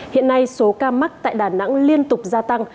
hiện nay số ca mắc tại đà nẵng liên tục gia tăng